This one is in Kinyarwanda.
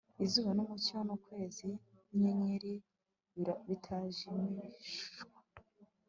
izuba n'umucyo n'ukwezi n'inyenyeri bitarijimishwa